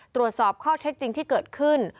ตรวจสอบข้อเท็จจริงที่เกิดขึ้น